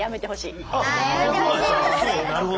なるほど。